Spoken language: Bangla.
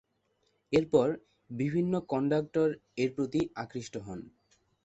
এরপর বিভিন্ন কন্ডাক্টর এর প্রতি আকৃষ্ট হন।